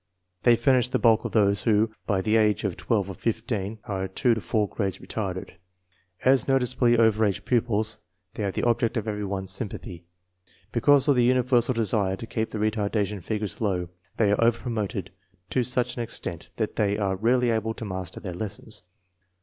They furnish the bulk of those who by the age of twelve or fifteen are two to four grades retarded. As noticeably over age pupils, they are the object of. every one's sympathy. Because of the universal desire to keep the retardation figures low, they are over promoted to such an extent that they are rarely able to master their lessons.